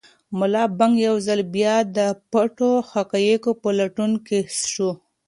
ملا بانګ یو ځل بیا د پټو حقایقو په لټون کې شو.